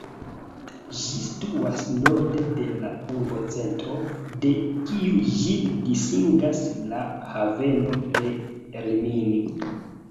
Ĝi situas norde de la urbocentro, de kiu ĝin disigas la haveno de Rimini.